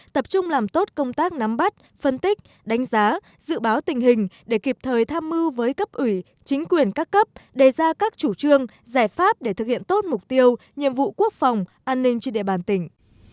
tập trung làm tốt công tác nắm bắt phân tích đánh giá dự báo tình hình để kịp thời tham mưu với cấp ủy chính quyền các cấp đề ra các chủ trương giải pháp để thực hiện tốt mục tiêu nhiệm vụ quốc phòng an ninh trên địa bàn tỉnh